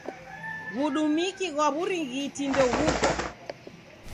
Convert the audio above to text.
W'udumiki ghwa w'urighiti ndeghuko.